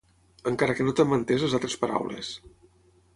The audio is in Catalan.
Encara que no t’hem entés les altres paraules.